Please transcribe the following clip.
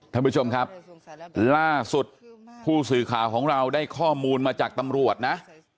ท่านผู้ชมครับล่าสุดผู้สื่อข่าวของเราได้ข้อมูลมาจากตำรวจนะ